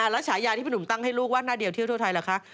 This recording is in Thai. แล้วฉายาที่พี่หนุ่มตั้งให้ลูกว่าหน้าเดียวเที่ยวทั่วไทยล่ะคะ